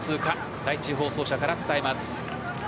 第１放送車から伝えます。